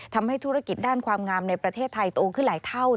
ทำให้ธุรกิจด้านความงามในประเทศไทยโตขึ้นหลายเท่า